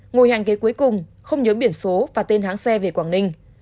ngồi hàng ghế cuối cùng không nhớ biển số và tên hãng xe về quảng ninh